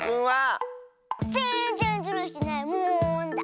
ぜんぜんズルしてないもんだ。